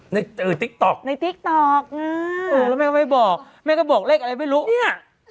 ในติ๊กต๊อกในติ๊กต๊อกแล้วแม่ไม่บอกแม่ก็บอกเลขอะไรไม่รู้เนี่ย